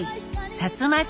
さつま汁。